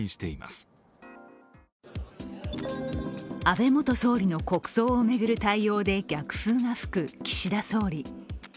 安倍元総理の国葬を巡る対応で逆風が吹く、岸田総理。